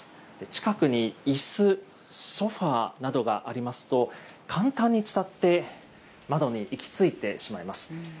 近くにいす、ソファーなどがありますと、簡単に伝って窓に行き着いてしまいます。